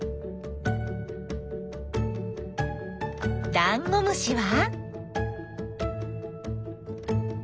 ダンゴムシは？